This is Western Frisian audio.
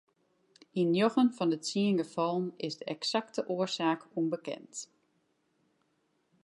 Yn njoggen fan de tsien gefallen is de eksakte oarsaak ûnbekend.